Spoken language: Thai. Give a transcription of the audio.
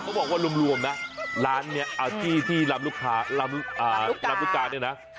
เขาบอกว่ารวมนะร้านนี้ที่ลำลูกกาเนี่ยนะ